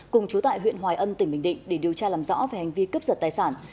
cùng chú tại huyện hòa ân tỉnh bình định để điều tra làm rõ về hành vi cướp giật tài sản